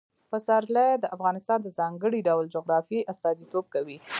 پسرلی د افغانستان د ځانګړي ډول جغرافیه استازیتوب کوي.